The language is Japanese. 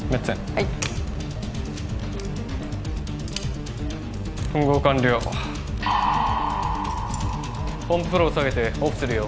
はいふん合完了ポンプフロー下げてオフするよ・